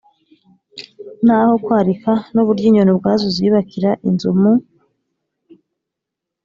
naho kwarika ni uburyo inyoni ubwazo ziyubakira inzu mu